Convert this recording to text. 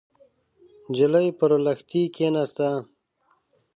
نجلۍ پر لښتي کېناسته.